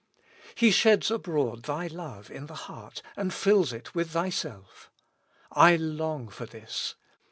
H . .:.neds abroad Thy love in the heart, and fills it ,.'ith Thyself, I long for this.